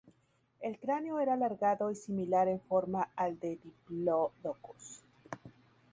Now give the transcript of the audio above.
El cráneo era alargado y similar en forma al de "Diplodocus".